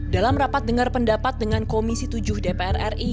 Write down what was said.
dalam rapat dengar pendapat dengan komisi tujuh dpr ri